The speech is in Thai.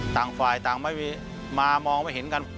ต่างฝ่ายต่างไม่มามองไม่เห็นกัน